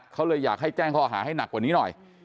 เขาเลยอยากให้แจ้งข้อหาให้หนักกว่านี้หน่อย